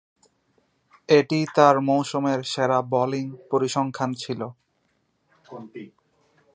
এটিই তার মৌসুমের সেরা বোলিং পরিসংখ্যান ছিল।